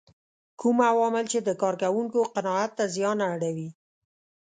کوم عوامل چې د کار کوونکو قناعت ته زیان اړوي.